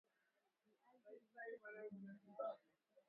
Viazi lishe hulimwa Tanzania